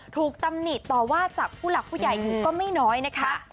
ตำหนิต่อว่าจากผู้หลักผู้ใหญ่อยู่ก็ไม่น้อยนะคะ